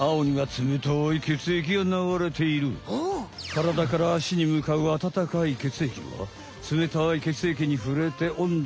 からだからあしにむかうあたたかい血液はつめたい血液にふれておんどがさがる。